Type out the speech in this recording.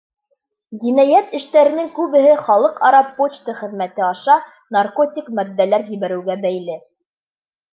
Енәйәт эштәренең күбеһе халыҡ-ара почта хеҙмәте аша наркотик матдәләр ебәреүгә бәйле.